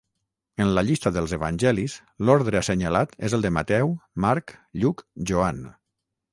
En la llista dels evangelis, l'ordre assenyalat és el de Mateu, Marc, Lluc, Joan.